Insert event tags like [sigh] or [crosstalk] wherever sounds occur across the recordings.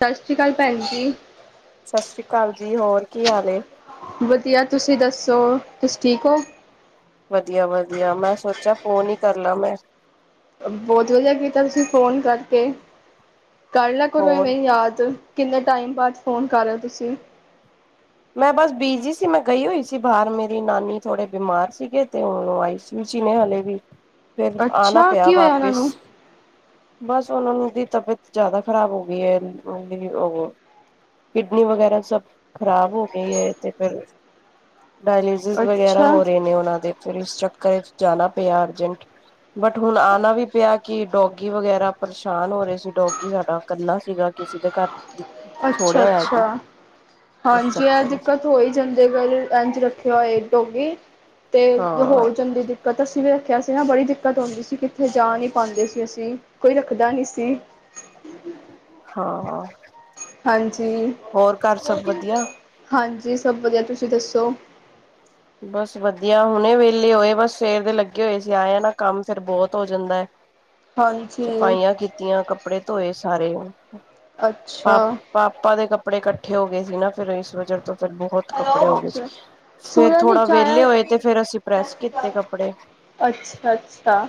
ਸਤਿ ਸ੍ਰੀ ਅਕਾਲ ਭੈਣ ਜੀ ਸਤਿ ਸ੍ਰੀ ਅਕਾਲ ਜੀ ਹੋਰ ਕੀ ਹਾਲ ਏ ਤੁਸੀ ਦੱਸੋ ਤੁਸੀ ਠੀਕ ਹੋ ਵਧੀਆ ਵਧੀਆ ਮੈਂ ਸੋ ਜਾ ਫੋਨ ਹੀ ਕਰਲਾਂ ਮੈ ਬਹੁਤ ਵਧੀਆ ਕੀਤਾ ਤੁਸੀਂ ਫੋਨ ਕਰਕੇ ਕਰਲਾ ਹੋਰ ਕੁੁਰਵੇਂ ਯਾਦ ਕਿੰਨੇ ਟਾਈਮ ਬਾਅਦ ਫੋਨ ਕਰ ਰਹੇ ੳ ਤੁਸੀਂ। ਮੈਂ ਬਸ ਬੀਜੀ ਸੀ ਮੈਂ ਗਈ ਹੋਈ ਸੀ ਬਾਹਰ ਮੇਰੀ ਨਾਨੀ ਥੋੜੇ ਬਿਮਾਰ ਸੀਗੇ ਤੇ ਊ ਆਈ ਸੀ ਊਮ ਚ ਨੇ ਹਲੇ ਵੀ। ਫਿਰ ਆਣਾ ਅੱਛਾ ਪਿਆ ਕੀ ਹੋਇਆ ਉਹਨਾਂ ਵਾਪਿਸ ਨੂੰ ਬਸ ਉਹਨਾਂ ਦੀ ਤਬੀਅਤ ਜਿਆਦਾ ਖ਼ਰਾਬ ਹੋ ਗਈ ਐ [unintelligible] ਉਹ ਕਿਡਨੀ ਵਗੈਰਾ ਸਭ ਖ਼ਰਾਬ ਹੋ ਗਈ ਹੈ ਤੇ ਫਿਰ ਡਾਇਲਸਿਸ ਵਗੈਰਾ ਅੱਛਾ ਹੋ ਰਹੇ ਨੇ ਉਹਨਾ ਦੇ ਫਿਰ ਇਸ ਚ ਘ ਜਾਣਾ ਪਿਆ ਅਰਜੈਂਟ ਬਟ ਹੁਣ ਆਉਣਾ ਵੀ ਪਿਆ ਕਿ ਡੋਕ ਗੀ ਵਗੈਰਾ ਪਰੇਸ਼ਾਨ ਹੋ ਰਹੇ ਸੀ ਡੋਗੀ ਸਾਡਾ ਇਕੱਲਾ ਸੀਗਾ ਕਿਸੀ ਦੇ ਘਰ। ਅੱਛਾ ਛੋੜਿਆ ਹੋਇਆ ਸੀ ਅੱਛਾ ਇਸ ਹਾਂਜੀ ਐਹ ਚੱਕਰ ਵਿੱਚ ਦਿੱਕਤ ਹੋ ਹੀ ਜਾਂਦੀ [unintelligible] ਇੰਝ ਰੱਖਿਆ ਹੋਏ ਡੌਗੀ। ਤੇ ਹੋ ਹਾਂ ਜਾਂਦੀ ਦਿੱਕਤ ਅਸੀਂ ਵੀ ਰਖਿਆ ਸੀ ਨਾ ਬੜੀ ਦਿੱਕਤ ਆਉਂਦੀ ਸੀ ਕਿੱਥੇ ਜਾ ਨਹੀਂ ਪਾਉਂਦੇ ਸੀ ਅਸੀਂ ਕੋਈ ਰੱਖਦਾ ਨੀ ਸੀ। ਹਾਂ ਹਾਂਜੀ ਹੋਰ ਘਰ ਸਭ ਵਧੀਆ ਹਾਂ ਜੀ ਸਭ ਵਧੀਆ ਤੁਸੀਂ ਦੱਸੋ ਬਸ ਵਧੀਆ ਹੁਣੇ ਵਿਹਲੇ ਹੋਏ ਬਸ ਸਵੇਰ ਦੇ ਲੱਗੇ ਹੋਏ ਸੀ ਆਏ ਆ ਨਾ ਕੰਮ ਫੇਰ ਬਹੁਤ ਹੋ ਜਾਂਦਾ ਐ। ਹਾਂਜੀ ਸਫਾਈਆਂ ਕੀਤੀਆਂ ਕੱਪੜੇ ਧੋਏ ਸਾਰੇ ਉਹ ਅੱਛਾ ਪਾ ਪਾਪਾ ਦੇ ਕੱਪ ਕੱਪੜੇ ਕੱਠੇ ਹੋ ਗਏ ਸੀ ਨਾ ਫਿਰ ਇਸ ਵਜਾ ਫੇਰ ਬਹੁਤ ਕੱਪੜੇ ਹੋ ਗਏ ਸੀ। [unintelligible] ਫੇਰ ਥੋੜਾ ਵਿਹਲੇ ਚਾਆ ਹੋਏ ਤੇ ਫੇਰ ਅਸੀਂ ਪ੍ਰੈਸ ਕੀਤੇ ਕੱਪੜੇ ਅੱਛਾ ਅੱਛਾ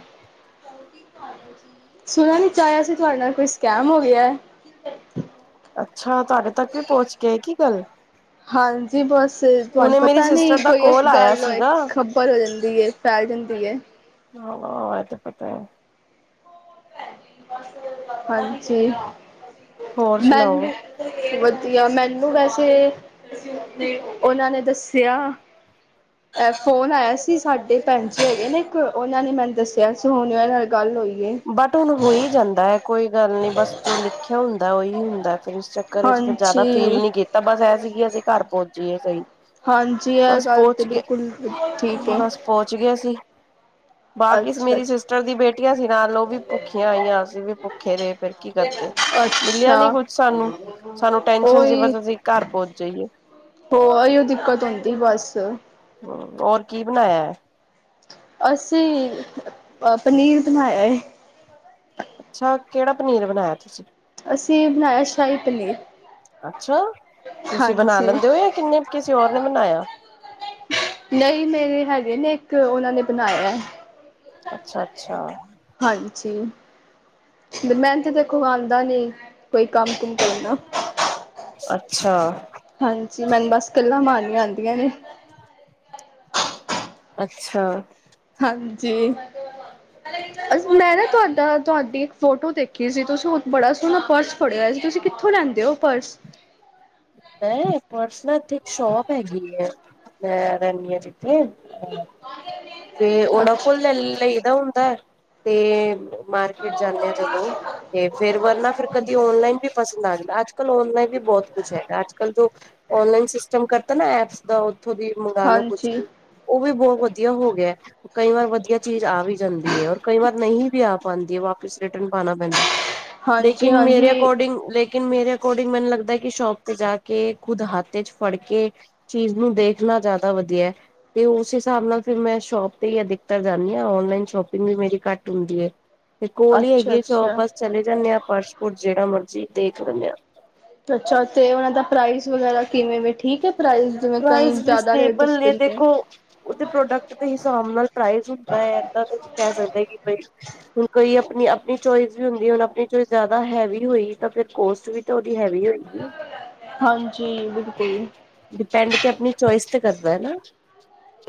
ਸੁਣਿਆ ਨੀ ਚਾਹਿਆ ਸੀ ਤੁਹਾਡੇ ਨਾਲ ਕੋਈ ਸਕੈਮ ਹੋ ਗਿਐ। ਅੱਛਾ ਤੁਹਾਡੇ ਤੱਕ ਵੀ ਪਹੁੰਚ ਗਏ ਕੀ ਗੱਲ ਹਾਂਜੀ ਬਸ ਤੁਹਾਨੂੰ ਹੁਣੇ ਮੇਰੀ ਪਤਾ ਨੀ ਸਿਸਟਰ ਦਾ ਕੋਈ ਇਕ ਕੋਲ ਆਇਆ ਗੱਲ ੳਏ ਸੀਗਾ ਖਬਰ ਹੋ ਜਾਂਦੀ ਏ ਫੈਲ ਜਾਂਦੀ ਏ। ਆਹ ਵਾਹ ਇਹ ਤੇ ਪਤਾ ਐ। ਹਾਂਜੀ ਹੋਰ ਮੈਨ ਸੁਣਾਓ ਵਧੀਆ ਮੈਨੂੰ ਵੈਸੇ ਉਹਨਾਂ ਨੇ ਦੱਸਿਆ ਐ ਫੋਨ ਆਇਆ ਸੀ ਸਾਡੇ ਪੰਜੈ ਹੈਗੇ ਨੇ ਇੱਕ ਉਹਨਾਂ ਨੇ ਮੈਨੂੰ ਦੱਸਿਆ ਸੀ ਹੁਣੇ ਉਹਨਨਾਲ ਗੱਲ ੳਈ। ਬਟ ਹੁਣ ਹੋ ਹੀ ਜਾਂਦਾ ਹੈ ਕੋਈ ਗੱਲ ਨੀ ਬਸ ਜੋ ਲਿਖਿਆ ਹੋ ਦਾ ਉਹੀ ਹੁੰਦਾ ਫਰ ਇਸ ਚੱਕਰ ਵਿਚ ਫਿਰ ਜ਼ਿਆਦਾ ਫੀਲ ਹਾਂਜੀ ਨੀ ਕੀਤਾ ਬਸ ਇਹ ਸੀਗੀ ਅਸੀਂ ਘਰ ਪਹੁੰਚ ਜਿਵੇਂ ਸਹੀ ਹਾਂਜੀ ਇਹ ਬਸ ਗੱਲ ਤੇ ਪਹੁੰਚ ਬਿਲਕੁਲ ਠੀਕ ਗਏ ਹੈ ਬਸ ਪਹੁੰਚ ਗਏ ਅਸੀਂ ਬਾਕੀ ਅੱਛਾ ਮੇਰੀ ਅੱਛਾ ਸਿਸਟਰ ਦੀ ਬੇਟੀਆਂ ਸੀ ਉਹ ਵੀ ਭੁੱਖੀਆਂ ਆਈਆਂ ਅਸੀਂ ਵੀ ਭੁੱਖੇ ਰਹੇ ਫਰ ਕੀ ਕਰਦੇ ਮਿਲਿਆ ਅੱਛਾ ਨੀ ਕੁੱਛ ਸਾਨੂੰ-ਸਾਨੂੰ ਟੈਂਨਸ਼ਨ ਸੀ ਉਹੀ ਬਸ ਅਸੀਂ ਘਰ ਪਹਚ ਜਾਈਏ ਹੋ ਉਹੀਓ ਦਿੱਕਤ ਹੁੰਦੀ ਬਸ ਹੋਰ ਕੀ ਬਣਾਇਆ ਹੈ ਅਸੀਂ ਅ ਪਨੀਰ ਬਣਾਇਆ ਹੈ ਅੱਛਾ ਕਿਹੜਾ ਪਨੀਰ ਬਣਾਇਆ ਤੁਸੀਂ ਅਸੀਂ ਬਣਾਇਆ ਸ਼ਾਹੀ ਪਨੀਰ ਅੱਛਾ ਤੁਸੀਂ ਬਣਾ ਹਾਂਜੀ ਲੈਂਦੇ ਹੋ ਜਾਂ ਕਿੰਨੇ ਕਿਸੇ ਹੋਰ ਨੇ ਬਣਾਇਆ ਨਹੀਂ ਮੇਰੇ ਹੈਗੇ ਨੇ ਇੱਕ ਉਹਨਾਂ ਨੇ ਬਣਾਇਆ ਅੱਛਾ-ਅੱਛਾ ਹਾਂਜੀ ਮੈਂ ਤੇ ਦੇਖੋ ਆਉਦਾ ਨੀ ਕੋਈ ਕੰਮ ਕੁਮ ਕਰਨਾ ਅੱਛਾ ਹਾਂਜੀ ਮੈਨੂੰ ਬਸ ਗੱਲਾਂ ਮਾਰਨੀਆਂ ਆਉਂਦੀਆਂ ਨੇ ਅੱਛਾ ਹਾਂਜੀ ਮੈਂ ਨਾ ਤੁਹਾਡਾ ਤੁਹਾਡੀ ਇੱਕ ਫੋਟੋ ਦੇਖੀ ਸੀ ਤੁਸੀਂ ਬੜਾ ਸੋਹਣਾ ਪਰਸ ਫੜਿਆ ਸੀ ਤੁਸੀਂ ਕਿੱਥੋਂ ਲੈਂਦੇ ਹੋ ਪਰਸ ਮੈਂ ਪਰਸ ਨਾ ਇੱਥੇ ਏਕ ਸ਼ੋਪ ਹੈਗੀ ਹੈ ਮ ਰੈਨੀ ਆ ਜਿਥੈ ਫ ਉਹਨਾਂ ਅੱਛਾ ਕੋਲ ਲੈ ਲਈਦਾ ਹੁੰਦਾ ਤੇ ਮਾਰਕੀਟ ਜਾਂਦੇ ਹਾਂ ਜਦੋਂ ਤੇ ਫੇਰ ਵਰਨਾ ਫਿਰ ਕਦੀ ਔਨਲਾਈਨ ਵੀ ਪਸੰਦ ਆ ਅੱਜ ਪਰ ਆਨਲਾਈਨ ਵੀ ਬਹੁਤ ਕੁੱਛ ਹੈ ਅੱਜ ਕੱਲ ਜੋ ਔਨਲਾਈਨ ਸਿਸਟਮ ਕਰਤਾ ਨਾ ਐਪਸ ਦਾ ਉੱਥੋਂ ਦੀ ਮੰਗ ਲੋ ਕੁਛ ਹਾਂਜੀ ਵੀ ਉਹ ਵੀ ਬਹੁਤ ਵਧੀਆ ਹੋ ਗਿਆ ਕਈ ਵਾਰ ਵਧੀਆ ਚੀਜ਼ ਆ ਵੀ ਜਾਂਦੀ ਹੈ ਔਰ ਕਈ ਵਾਰ ਨਹੀਂ ਵੀ ਆ ਪਾਉਂਦੀ ਹੈ ਵਾਪਿਸ ਰਿਟਰਨ ਪਾਉਣਾ ਪੈਂਦਾ ਹਾਂਜੀ ਲੇਕਿਨ ਮੇਰੇ ਹਾਂਜੀ ਅਕੋਰਡਿੰਗ ਲੇਕ ਮੇਰੇ ਅਕੋਡਿੰ ਮੈਨੂੰ ਲੱਗਦਾ ਕਿ ਸ਼ੋਪ ਜਾ ਕੇ ਖੁਦ ਹਾਥ ਚ ਫੜ ਕੇ ਚੀਜ਼ ਨ ਦੇਖਣਾ ਜਿਆਦਾ ਵਧਆ ਆ ਤੇ ਉਸ ਹਿਸਾਬ ਨਾਲ ਮੈਂ ਸ਼ੋਪ ਤੇ ਅਧਿਕਤਰ ਜਾਂਦੀ ਆ ਓਨਲਾਨ ਸ਼ੋਪਿੰਗ ਵੀ ਮੇਰੀ ਘੱਟ ਹੁੰਦੀ ਆ ਤੇ ਕੋਲ ਹੀ ਅੱਛਾ ਹੈਗੀ ਆ ਚੋਪ ਅੱਛਾ ਬਸ ਚਲੇ ਜਾਂਦੇ ਆਾਂ ਪਰਸ ਪੁਰ ਜਿਹੜਾ ਮ ਜੀ ਦੇਖ ਲੈਂਦੇ ਆ ਅੱਛਾ ਤੇ ਉਹਨਾਂ ਦਾ ਪ੍ਰਾਈਜ਼ ਵਗੈਰਾ ਕਿਵੇਂ ਵੇ ਠੀਕ ਹੈ ਪ੍ਰਾਈਜ਼ ਜਿਵੇਂ ਕਈ ਜ਼ਿਆਦਾ ਰੇਟ ਪ੍ਰਨਬਲ ਦੱਸਦੇ ਨੇ ਦੇਖੋ ਉਹਦੇ ਪ੍ਰੋਡਕਟ ਦੇ ਹਿਸਾਬ ਨਾਲ ਪ੍ਰਜ਼ ਹੁੰਦਾ ਹੈ ਏਦਾਂ ਕੁਛ ਕ ਨਹੀਂ ਸਕਦੇ ਕਿ ਹੁਣ ਕੋਈ ਆਪਣੀ-ਆਪਣੀ ਚੋਇਸ ਵੀ ਹੁੰਦੀ ਹੁਣ ਆਪਣੀ ਚੋਇਸ ਜ਼ਿਆਦਾ ਹੈਵੀ ਹੋਈ ਤਾਂ ਫਿਰ ਕੋਸਟ ਵੀ ਹਾਡੀ ਹੈਵੀ ਹੋਏਗੀ ਹਾਂਜੀ ਬਿਲਕੁਲ ਡਿਪੈਂਡ ਤੇ ਆਪਣੀ ਚੋਇਸ ਤੇ ਕਰਦਾ ਹੈ ਨਾ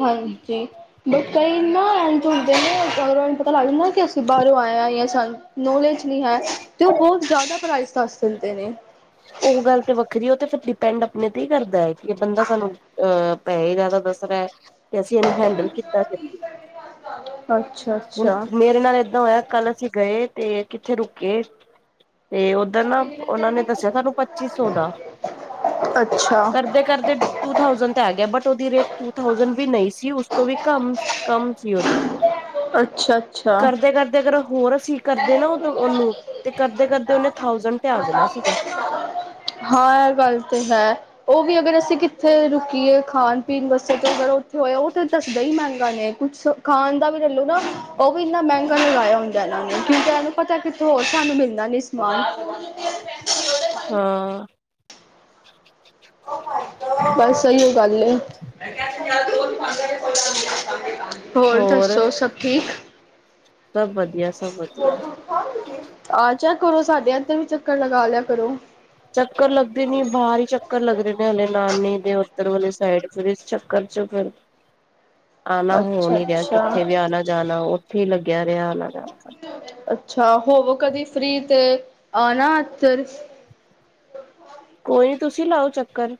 ਹਾਂਜੀ ਬ ਕਈ ਨਾ ਐ ਤਲਦੇ ਨੇ ਰਾਂ ਨੂੰ ਪਤਾ ਲੱਗਦਾ ਕਿ ਅਸੀਂ ਬਾਹਰੋਂ ਆਏ ਸਾਨੂੰ ਨੌਲੇਜ ਹੈ ਤੇ ਉਹ ਬਹੁਤ ਜ਼ਿਆਦਾ ਪ੍ਰਾਈਜ਼ ਦਾ ਸੁਲਦੇ ਨੇ ਉਹ ਗੱਲ ਤੇ ਵੱਖਰੀ ਹੈ ਉਹ ਤੇ ਫਿਰ ਡਿਪੈਂਡ ਆਪਣੇ ਤੇ ਹੀ ਕਰਦਾ ਹੈ ਕਿ ਬੰਦਾ ਸਾਨੂੰ ਅਹ ਪ ਇਹ ਜ਼ਿਆਦਾ ਦੱਸ ਰਿਹਾ ਕਿ ਅਸੀਂ ਇਹਨੂੰ ਹੈਂਡਲ ਕਿੱਦਾਂ ਕਰੀਏ ਅੱਛਾ ਹੁਣ ਅੱਛਾ ਮੇਰੇ ਨਾਲ ਏਦਾਂ ਹੋਇਆ ਕੱਲ ਅਸੀਂ ਗਏ ਤੇ ਕਿੱਥੇ ਰੁਕੇ ਤੇ ਉੱਧਰ ਨਾ ਉਹਨਾਂ ਨੇ ਦੱਸਿਆ ਤੁਹਾਨੂੰ ਪੱਚੀ ਸੌ ਦਾ ਅੱਛਾ ਕਰਦੇ ਕਰਦੇ ਟੂ ਥਾਸੈਂਡ ਤੇ ਆ ਗਿਆ but the rate two thousand ਵੀ ਨਹੀਂ ਸੀ। ਉਸ ਤੋਂ ਵੀ ਕਮ ਕਮ ਸੀ ਉਹਦੀ ਅੱਛਾ ਅੱਛਾ ਕਰਦੇ ਕਰਦੇ ਅਗਰ ਹੋਰ ਅਸੀਂ ਕਰਦੇ ਨਾ ਉਹਨੂੰ ਤੇ ਕਰਦੇ ਕਰਦੇ ਉਹਨੇ ਥਾਜੈਂਡ ਤੇ ਆ ਦੇਣਾ ਸੀਗਾ ਹਾਂ ਇਹ ਗੱਲ ਤਾਂ ਹੈ। ਉਹ ਵੀ ਅਗਰ ਅਸੀਂ ਕਿੱਥੇ ਰੁਕੀਏ ਖਾਣ ਪੀਣ ਵਾਸਤੇ ਤਾਂ ਅਗਰ ਹੋਇਆ ਉਹ ਤਾਂ ਦੱਸਦਾ ਹੀ ਮੈਂ ਕੁੱਛ ਖਾਣ ਦਾ ਵੀ ਚਲੂ ਨਾ ਉਹ ਵੀ ਇੰਨਾ ਮਹਿੰਗਾ ਨਹੀਂ ਲਾਇਆ ੳਹਣੇ ਕਿਕ ਇਹਨੂੰ ਪਤਾ ਕਿੱਥੋਂ ਹੋ ਸਾਨੂੰ ਮਿਲਦਾ ਨੀ ਸਮਾਨ ਹਾਂ। ਬਸ ਸਹੀ ਉਹ ਗੱਲ ਹੈ। [unintelligible] ਹੋਰ ਦੱਸੋ ਸਭ ਠੀਕ [unintelligible] ਸਭ ਵਧੀਆ ਸਭ ਵਧੀਆ ਆਜਾਯਾ ਕਰੋ ਸਾਡੇ ਅੰਦਰ ਵੀ ਚੱਕਰ ਲਗਾ ਲਿਆ ਕਰੋ। ਚੱਕਰ ਲੱਗਦੇ ਨੀ ਬਾਹਰ ਹੀ ਚੱਕਰ ਲੱਗ ਰਹੇ ਨੇ ਹਲੇ ਨਾਨੀ ਦੇ ਉੱਤਰ ਵਾਲੀ ਸਾਈਡ ਫ ਇਸ ਚੱਕਰ ਚੋਂ ਫਿਰ ਆਉਣਾ ਹੋਣ ਅੱਛਾ ਹੀ ਰਿਹਾ ਕਿੱਥੇ ਅੱਛਾ ਵੀ ਆਉਣਾ ਜਾਣਾ ਉੱਥੇ ਹੀ ਲੱ ਅੱਛਾ ਹੋਵੋ ਕਦੀ ਫ੍ਰਰੀ ਤੇ ਆਣਾ ਏਧਰ ਕੋਈ ਨੀ ਤੁਸੀਂ ਲਾਓ ਚੱਕਰ।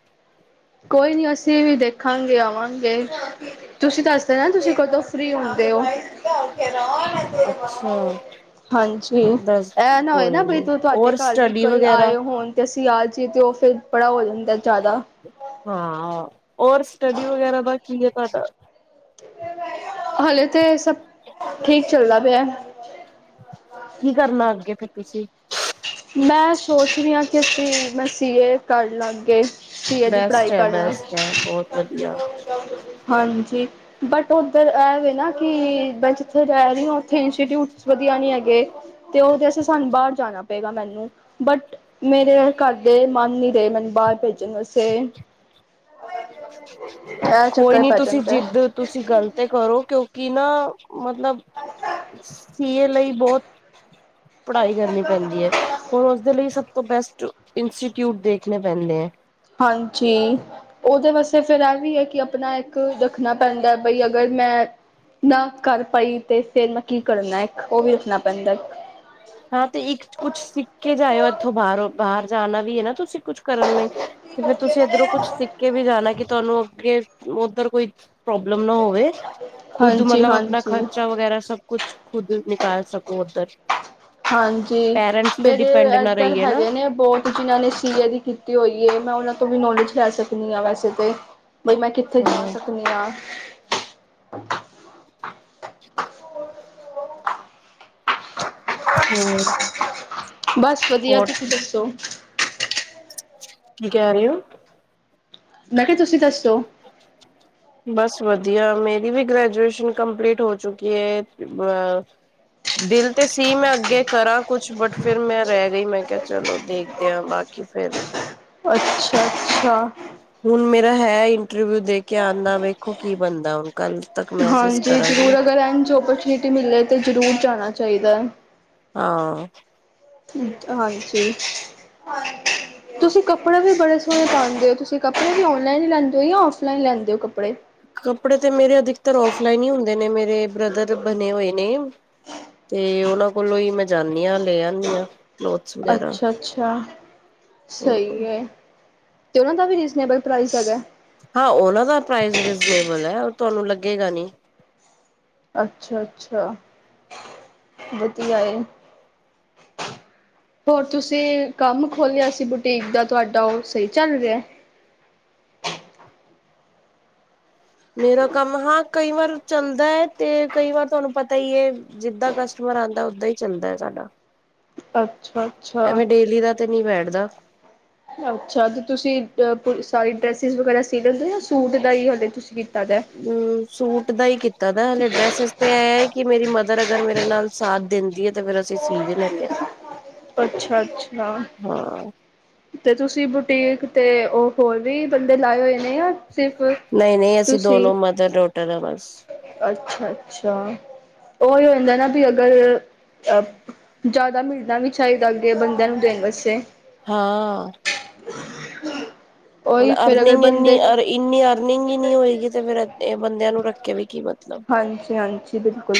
ਕੋਈ ਨੀ ਅਸੀਂ ਵੀ ਦੇਖਾਂਗੇ ਆਵਾਂਗੇ ਤੁਸੀਂ ਤਾਂ ਨਾ ਤੁਸੀਂ ਕਦੋਂ ਫ੍ਰਰੀ ਹੁੰਦੇ ਹੋ ਅੱਛਾ ਹਾਂਜੀ ਦੱਸ ਇਹ ਨਾ ਹੋਏ ਨਾ ਕੋਈ ਬ ਨੀ ਤ ਤੁਹਾਡੇ ਔਰ ਘਰ ਵੀ ਸਟੱਡੀ ਕੋਈ ਵਗੈਰਾ ਆਏ ਹੋਣ ਤੇ ਅਸੀਂ। ਤੇ ਉਹ ਫੇਰ ਬੜਾ ਹੋ ਜਾਂਦਾ ਜ਼ਿਆਦਾ। ਹਾਂ। ਹੋਰ ਸਟੱਡੀ ਵਗੈਰਾ ਦਾ ਕੀ ਹੈ [unintelligible] ਹਲੇੇ ਤੇ ਸਭ ਠੀਕ ਚੱਲਦਾ ਪਿਆ। ਕੀ ਕਰਨਾ ਅੱਗੇ ਫਿਰ ਤੁਸੀਂ। ਫ ਮੈਂ ਸੀਏ ਕਰ ਲਾਗੇ ਬੈਸਟ ਹੈ ਬੈਸਟ ਹੈ ਬਹੁਤ ਵਧੀਆ। ਜ ਬਟ ਉੱਧਰ ਇਹ ਵੇ ਨਾ ਕਿ ਮੈਂ ਜਿੱਥੇ ਰਹਿ ਰਹੀ ਹ ਉੱਥੇ ਇੰਸਟੀਊਟਸ ਵਧੀਆ ਨਹੀਂ ਹੈਗੇ। ਤੇ ਉਹਦੇਸਂ ਸਾਨੂੰ ਬਾਹਰ ਜਾਣਾ ਪਗਾ ਮੈਨੂੰ ਬਟ ਮੇਰੇ ਘਰ ਦੇ ਮਨ ਨ ਰਹੇ ਮੈਨੂੰ ਬਾਹਰ ਭੇਜਣੇ ਕੋਈ ਨੀ ਪੈ ਤੁਸੀਂ ਜਾਂਦਾ ਜਿੱਦ ਤੁਸੀਂ ਗਲਤ ਕਰੋ ਕਿਉਂਕਿ ਕਿ ਨਾ ਮਤਲਬ ਸੀਏ ਲਈ ਬਹੁਤ ਪੜ੍ਹਾਈ ਕਰਨੀ ਪੈਂਦੀ ਹੈ ਹੁਣ ਉਸਦੇ ਲਈ ਸ ਬੈਸਟ ਇੰਸਟੀਚਿਊਟ ਦੇਖਣੇ ਪਹਿਨਦੇ ਹੈ ਹਾਂਜੀ ਉਹਦੇ ਵਾਸਤੇ ਫੇਿਰ ਇਹ ਵੀ ਹੈ ਕਿ ਆਪਣਾ ਇੱਕ ਰੱਖਣਾ ਪੈਂਦਾ ਬਈ ਅਗਰ ਮੈਂ ਨਾ ਕਰ ਪਾਈ ਤੇ ਫੇਿਰ ਮੈਂ ਕੀ ਕਰਨਾ ਇੱਕ ਉਹ ਵੀ ਰੱਖਣਾ ਪੈਂਦਾ ਹਾਂ ਤੇ ਇੱਕ ਕੁਛ ਸਿੱਖ ਕੇ ਜਾਇਓ ਇੱਥੋਂ ਬਾਹਰੋਂ ਬਾਹਰ ਜਾਣਾ ਵੀ ਹੈ ਨਾ ਤੁਸੀਂ ਕੁਛ ਕਰਨ ਲਈ ਤੇ ਫਰ ਤੁਸੀਂ ਇੱਧਰੋਂ ਕੁੱਛ ਸਿੱਖ ਕੇ ਵੀ ਜਾਣਾ ਕਿ ਤੁਹਾਨੂੰ ਅੱਗੇ ਉੱਧਰ ਕੋਈ ਪ੍ਰੋਬਲਮ ਨਾ ਹੋਵੇ ਖੁਦ ਹਾਂਜੀ ਮਤਲਬ ਆਪਣਾ ਹਾਂਜੀ ਖਰਚਾ ਵਗੈਰਾ ਸਭ ਕੁਛ ਖੁਦ ਨਿਕਾਲ ਸਕੋ ਉੱਧਰ ਹਾਂਜੀ ਪੇਰੈਂਟਸ ਤੇ ਮੇਰੇ ਡਿਪੈਂਡ ਨਾ ਇੱਦਰ ਰਹੀਏ ਨਾ ਹੈਗੇ ਨੇ ਬਹੁਤ ਜਿਨਾਂ ਨੇ ਸੀਏ ਦੀ ਕੀਤੀ ਹੋਈ ਹੈ ਮੈਂ ਉਹਨਾਂ ਤੋਂ ਵੀ ਨੋਲੇਜ ਕੁ ਲੈ ਸਕਦੀ ਹਾਂ ਵੈਸੇ ਤਾਂ ਬਈ ਮੈਂ ਕਿੱਥੇ ਹਾਂ ਜਾ ਸਕਦੀ ਹਾਂ [unintelligible] ਹੋਰ ਬਸ ਵਧੀਆ ਹੋਰ ਤੁਸੀਂ ਦੱਸੋ ਕੀ ਕਹਿ ਰਹੇ ਹੋ ਮੈਂ ਕਿਹਾ ਤੁਸੀਂ ਦੱਸ ਬਸ ਵਧੀਆ ਮੇਰੀ ਵੀ ਗ੍ਰੈਜੂਏਸ਼ਨ ਕੰਪਲੀਟ ਹੋ ਚੁੱਕੀ ਹੈ ਦਿਲ ਤੇ ਸੀ ਮੈਂ ਅੱਗੇ ਕਰਾਂ ਕੁਛ ਬਟ ਫਿਰ ਮੈਂ ਰਹਿ ਗਈ ਮੈਂ ਕਿਹਾ ਚਲੋ ਦੇਖਦਿਆਂ ਬਾਕੀ ਫਿਰ ਅੱਛਾ ਅੱਛਾ ਹੁਣ ਮੇਰਾ ਹੈ ਇੰਟਰਵਿਊ ਦੇ ਕੇ ਆਉਂਦਾ ਵੇਖੋ ਕੀ ਬਣਦਾ ਹੁਣ ਕੱਲ ਤੱਕ ਮੈਸੇਜ ਹਾਂਜੀ ਕਰਾਂਗੀ ਜ਼ਰੂਰ ਅਗਰ ਇਨ ਓਪਰਚੁਨਿਟੀ ਮਿਲੇ ਤੇ ਜ਼ਰੂਰ ਜਾਣਾ ਚਾਦਾ ਹਾਂ ਹਾਂਜੀ ਹ ਤੁਸੀਂ ਕੱਪੜੇ ਵੀ ਬੜੇ ਸੋਹਣੇ ਪਾਉਂਦੇ ਹੋ ਤੁਸੀਂ ਕੱਪੜੇ ਵੀ ਔਨਲਾਈਨ ਹੀ ਲੈਂਦੇ ਹੋ ਜਾਂ ਔਫਲਾਈਨ ਲੈਂਦੇ ਹੋ ਕੱਪੜੇ ਕੱਪੜੇ ਤੇ ਮੇਰੇ ਅਧਿਕਤ ਫਲਾਈਨ ਹੀ ਹੁੰਦੇ ਨੇ ਮੇਰੇ ਬ੍ਰਦਰ ਬਣੇ ਹੋਏ ਨੇ ਤੇ ਉਹਨਾਂ ਕੋਲੋਂ ਹੀ ਮੈਂ ਜਾਂਦੀ ਹ ਲੈ ਆਦੀ ਹਾਂ ਕਲੋਥਸ ਵਗੈਰਾ ਅੱਛਾ ਅੱਛਾ ਸਹੀ ਹੈ ਤੇ ਉਹਨਾਂ ਦਾ ਵੀ ਰੀਜਨੇਬਲ ਪ੍ਰਾਈਸ ਹੈਗਾ ਹਾਂ ਉਹਨਾਂ ਅੱਗੇ ਗਣੀ ਅੱਛਾ ਅੱਛਾ ਵਧਆਏ ਹੋਰ ਤੁਸੀਂ ਕੰਮ ਖੋਲਿਆ ਸੀ ਬੁਟੀਕ ਦਾ ਤੁਹਾਡਾ ਉਹ ਸਹੀ ਚੱਲ ਰਿਹਾ ਮੇਰਾ ਕੰਮ ਹਾਂ ਕਈ ਵਾਰ ਚੱਲਦਾ ਹੈ ਤੇ ਕਈ ਵਾਰ ਤੁਹਾਨੂੰ ਪਤਾ ਹੀ ਹੈ ਜਿੱਦਾਂ ਕਸਟਮਰ ਆਉਂਦਾ ਓਦਾਂ ਹੀ ਚੱਲਦਾ ਹੈ ਸਾਡਾ ਅੱ ਐਵੇਂ ਡੇਲੀ ਦਾ ਤੇ ਨਹੀਂੀ ਬੈਠਦਾ ਅੱਛਾ ਅੱਛਾ ਤੇ ਤੁਸੀਂ ਅ ਸਾਰੀ ਡਰੈਸਿਸ ਵਗੈਰਾ ਸੀ ਲੈਂਦੇ ਜਾਂ ਸੂਟ ਦਾ ਹੀ ਹਾਲੇ ਤੁਸੀਂ ਕੀਤਾ। ਦਾ? ਅ ਸੂਟ ਦਾ ਹੀ ਕੀਤਾ ਦਾ ਹਲੇ ਡਰੈਸਿਸ ਤੇ ਐ ਹੀ ਕਿ, ਮੇਰੀ ਮਦਰ ਅਗਰ ਮੇਰੇ ਨਾਲ ਸਾਥ ਦਿੰਦੀ ਹੈ ਤੇ ਫੇਰ ਅਸੀਂ ਸੀ ਵੀ ਲੈਂਨੇ ਆ। ਅੱਛਾ-ਅੱਛਾ ਹਾਂ ਤੇ ਤੁਸੀਂ ਬੁਟੇਕ, ਤੇ ਉਹ ਹੋਰ ਵੀ ਬੰਦੇ ਲਾਏ ਹੋਏ ਨੇ ਆ। ਨਹੀਂ-ਨਹੀਂ ਅਸੀਂ ਦੋਨੋ ਮਦਰ ਡੋਟਰ ਆ ਬਸ। ਅੱਛਾ, ਉਹੀ ਹੁੰਦਾ ਨਾ ਵੀ ਅਗਰ ਅਹ ਜ਼ਿਆਦਾ ਮਿਲਣਾ ਵੀ, ਚਾਹੀਦਾ ਅੱਗੇ ਬੰਦਿਆਂ ਨੂੰ ਦੇਣ ਵਸਤੇ, ਹਾਂ, [unintelligible] ਹੁਣ ਫੇਰ ਅਗਰ ਅਰਨਿੰਗ ਇੰਨੀ ਬੰਦੇ ਅ ਇੰਨੀ ਅਰਨਿੰਗ ਹੀ ਨਹੀ ਹੋਏਗੀ ਤੇ ਫੇਰ ਬੰਦਿਆਂ ਨੂੰ ਰੱਖ ਕਿ ਵੀ ਕੀ ਪ ਹਾਂਜੀ-ਹਾਂਜੀ ਬਿਲਕੁਲ।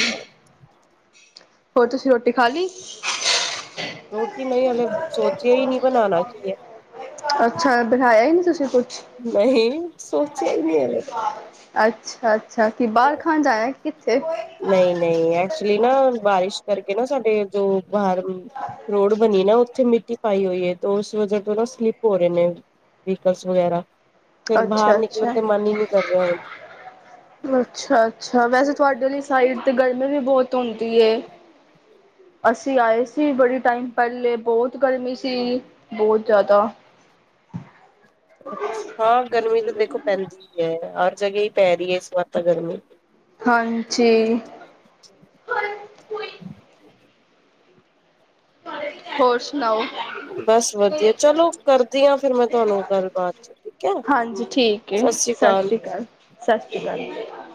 ਹੋਰ ਤੁਸੀਂ ਰੋਟੀ ਖਾ ਲਈ? ਰੋਟੀ ਨਹੀਂ ਹਲੇ ਸੋਚਿਆ ਹੀ ਨਹੀਂ ਬਨਾਨਾ ਕੀ ਹੈ। ਅੱਛਾ ਦਿਖਾਇਆ ਹੀ ਨਹੀਂ ਤੁਸੀਂ ਕੋਈ, ਨਹੀਂ ਸੋਚਿਆ, ਨਹੀਂ ਹਲੇ [unintelligible] ਅੱਛਾ, ਅੱਛਾ, ਕਿ ਬਾਰ ਖਾਨ ਜਾਇਆ ਕਿ, ਨਹੀਂ-ਨਹੀਂ ਐਕਚੁਲੀ ਨਾ ਬਾਰਿਸ਼, ਕਰਕੇ ਨਾ ਸਾਡੇ ਜੋ ਬਾਹਰ ਰੋਡ ਬਣੀ ਨਾ ਉੱਥੇ ਮਿੱ ਪਾਈ ਹੋਈ ਹੈ ਉਸ ਵਜੇ ਤੋਂ ਨਾ ਸਲਿਪ ਹੋ ਰਹੇ ਨੇ ਵਿਕਲਸ ਵਗੈਰਾ। ਫੇਰ ਬਾਹਰ ਨਿਕਲਣ ਤੇ ਮਨ ਹੀ ਨਹੀਂ ਕਰ ਰਿਹਾ ਹੁਣ ਅੱਛਾ-ਅੱਛਾ-ਅੱਛਾ-ਅੱਛਾ ਵੈਸੇ ਤੁਹਾਡੇ ਲਈ। ਸਾਈਡ ਤੇ ਗਰਮੀ ਵੀ ਬਹੁਤ ਹੁੰਦੀ ਏ। ਅਸੀਂ ਆਏ ਸੀ ਬੜੀ ਟਾਈਮ ਪਹਿਲੇ ਬਹੁਤ ਗਰਮੀ ਸੀ ਬਹੁਤ ਜ਼ਿਆਦਾ। ਅ ਹਾਂ ਗਰਮੀ ਤਾਂ ਦੇਖੋ ਪੈਂਦੀ। ਹਰ ਜਗਾ ਹੀ ਪੈ ਰਹੀ ਹੈ ਇਸ ਵਾਰ ਤਾਂ ਗਰਮੀ। ਹਾਂਜੀ। ਹੋਰ ਸੁਣਾਓ ਬਸ ਵਧੀਆ ਚਲੋ ਕਰਦੀ ਹਾਂ ਫਿਰ ਮੈਂ ਤੁਹਾਨੂੰ ਗੱਲਬਾਤ ਠੀਕ ਹੈ ਹਾਂਜੀ ਠੀਕ ਹੈ ਸਤਿ ਸ਼੍ਰੀ ਅਕਾਲ ਸਤਿ ਸ੍ਰੀ ਅਕਾਲ।